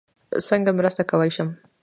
څنګه مرسته کوی شم؟